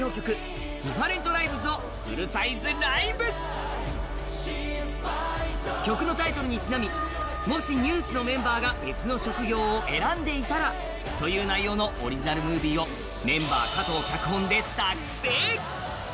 お試し容量も曲のタイトルにちなみ、もしＮＥＷＳのメンバーが別の職業を選んでいたらというオリジナルムービーをメンバー・加藤脚本で作成。